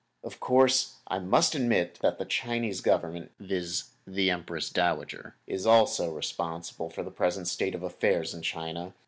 Of course, I must admit that the Chinese Government, viz., the Empress Dowager, is also responsible for the present state of affairs in China.